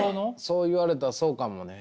そう言われたらそうかもね。